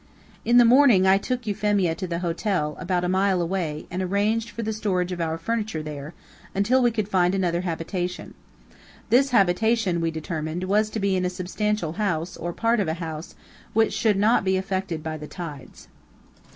In the morning I took Euphemia to the hotel, about a mile away and arranged for the storage of our furniture there, until we could find another habitation. This habitation, we determined, was to be in a substantial house, or part of a house, which should not be affected by the tides.